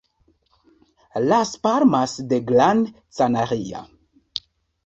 Las Palmas de Gran Canaria.